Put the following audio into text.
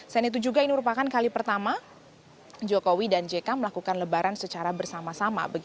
selain itu juga ini merupakan kali pertama jokowi dan jk melakukan lebaran secara bersama sama